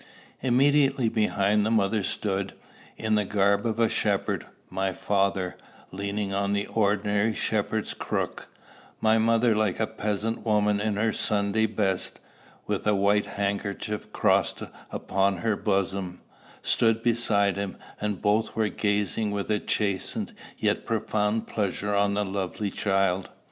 Immediately behind the mother stood, in the garb of a shepherd, my father, leaning on the ordinary shepherd's crook; my mother, like a peasant woman in her Sunday best, with a white handkerchief crossed upon her bosom, stood beside him, and both were gazing with a chastened yet profound pleasure on the lovely child.